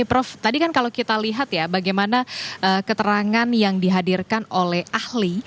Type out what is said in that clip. prof tadi kan kalau kita lihat ya bagaimana keterangan yang dihadirkan oleh ahli